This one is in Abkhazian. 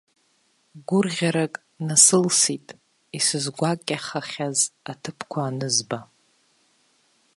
Гәырӷьарак насылсит, исызгәакьахахьаз аҭыԥқәа анызба.